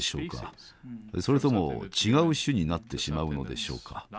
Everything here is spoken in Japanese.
それとも違う種になってしまうのでしょうか。